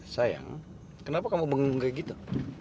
sayang kenapa kamu benggung kayak gitu